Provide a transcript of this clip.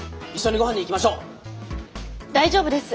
大丈夫です。